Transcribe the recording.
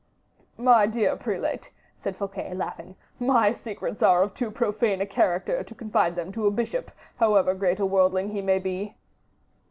"My dear prelate," said Fouquet, laughing, "my secrets are of too profane a character to confide them to a bishop, however great a worldling he may be."